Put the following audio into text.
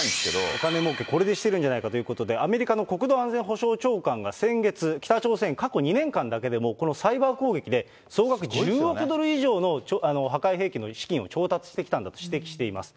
お金もうけ、これでしてるんじゃないかということで、アメリカの国土安全保障長官が、先月、北朝鮮、過去２年間だけでもこのサイバー攻撃で総額１０億ドル以上の破壊兵器の資金を調達してきたんだと指摘しています。